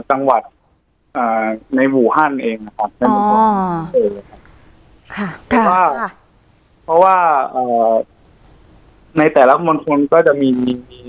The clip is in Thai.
จังหวัดอ่าในอ๋อค่ะค่ะเพราะว่าอ่าในแต่ละมนุษย์คนก็จะมี